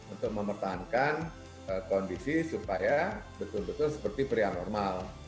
untuk mempertahankan kondisi supaya betul betul seperti pria normal